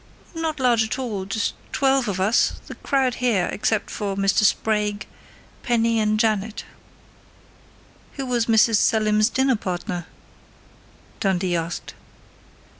"Not large at all.... Just twelve of us the crowd here except for Mr. Sprague, Penny and Janet." "Who was Mrs. Selim's dinner partner?" Dundee asked.